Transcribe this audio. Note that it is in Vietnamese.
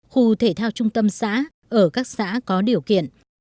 khu thể thao trung tâm xã ở các xã có điều kiện